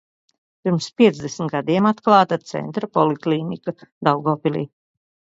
Pirms piecdesmit gadiem atklāta Centra poliklīnika Daugavpilī.